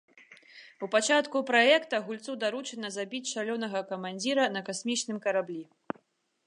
У пачатку праекта гульцу даручана забіць шалёнага камандзіра на касмічным караблі.